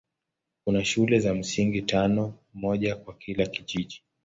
Kuna shule za msingi tano, moja kwa kila kijiji.